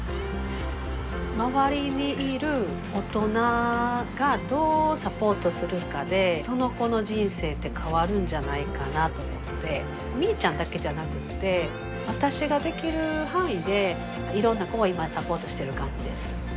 周りにいる大人がどうサポートするかでその子の人生って変わるんじゃないかなと思ってみいちゃんだけじゃなくって私ができる範囲でいろんな子を今サポートしてる感じです